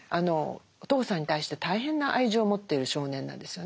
お父さんに対して大変な愛情を持ってる少年なんですよね。